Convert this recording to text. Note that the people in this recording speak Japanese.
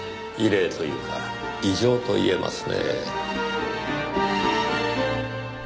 異例というか異常と言えますねぇ。